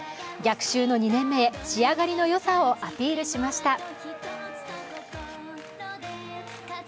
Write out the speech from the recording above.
逆襲の２年目へ、仕上がりの良さをアピールしました。